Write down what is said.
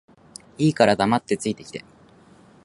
いいから黙って着いて来て